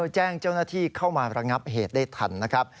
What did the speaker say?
แจ้งเจ้าหน้าที่เข้ามาระงับเหตุได้ทันนะครับ